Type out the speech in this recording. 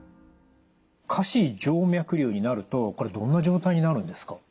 下肢静脈瘤になるとこれどんな状態になるんですか？